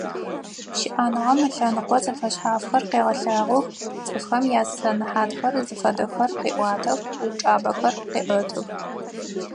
ЩыӀэныгъэм ылъэныкъо зэфэшъхьафхэр къегъэлъагъох, цӀыфхэм ясэнэхьатхэр зыфэдэхэр къеӀуатэх, упчӀабэхэр къеӀэтых.